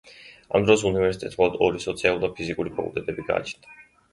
ამ დროს უნივერსიტეტს მხოლოდ ორი: სოციალური და ფიზიკური ფაკულტეტები გააჩნდა.